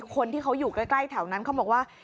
คนที่เขาอยู่ใกล้แถวนั้นเขาบอกว่า